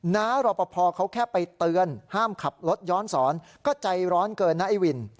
น้ารอปภเขาแค่ไปเตือนห้ามขับรถย้อนสอนก็ใจร้อนเกินนะไอ้วิน